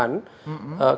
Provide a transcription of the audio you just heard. karena terjadi kesalahpahaman